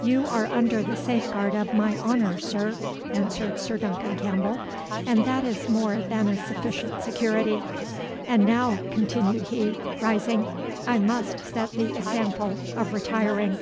"You are under the safeguard of my honour, sir," answered Sir Duncan Campbell, "and that is more than a sufficient security. And now," continued he, rising, "I must set the example of retiring."